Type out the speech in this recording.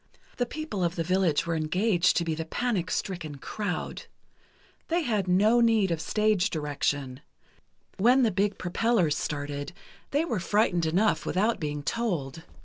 The people of the village were engaged to be the panic stricken crowd. They had no need of stage direction. When the big propellers started, they were frightened enough without being told.